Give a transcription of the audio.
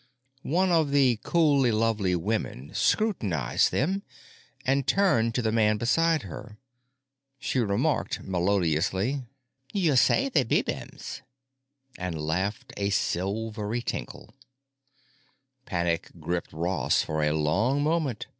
One of the coolly lovely women scrutinized them and turned to the man beside her. She remarked melodiously, "Yuhsehtheybebems!", and laughed a silvery tinkle. Panic gripped Ross for a long moment.